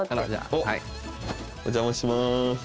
お邪魔します。